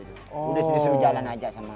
udah di jalan aja sama